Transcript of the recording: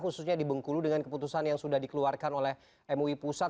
khususnya di bengkulu dengan keputusan yang sudah dikeluarkan oleh mui pusat